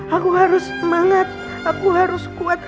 aku harus semangat aku harus kuat